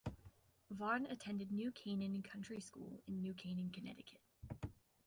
Vaughn attended New Canaan Country School in New Canaan, Connecticut.